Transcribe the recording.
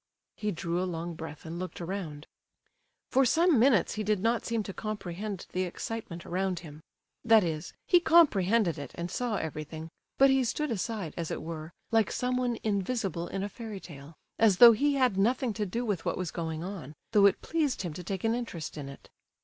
He drew a long breath and looked around. For some minutes he did not seem to comprehend the excitement around him; that is, he comprehended it and saw everything, but he stood aside, as it were, like someone invisible in a fairy tale, as though he had nothing to do with what was going on, though it pleased him to take an interest in it.